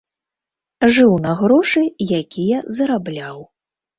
Жыў на грошы, якія зарабляў.